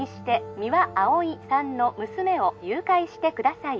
☎三輪碧さんの娘を誘拐してください